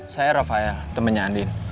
saya rafael temannya andin